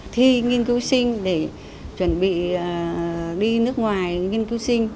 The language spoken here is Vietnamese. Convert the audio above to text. thi nghiên cứu sinh để chuẩn bị đi nước ngoài nghiên cứu sinh